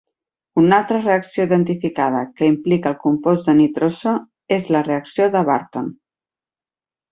Una altra reacció identificada que implica el compost de nitroso és la reacció de Barton.